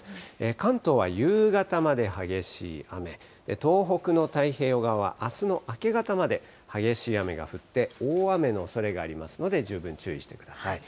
関東は夕方まで激しい雨、東北の太平洋側はあすの明け方まで激しい雨が降って、大雨のおそれがありますので、十分注意してください。